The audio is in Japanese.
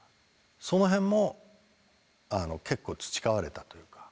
そのへんも結構培われたというか。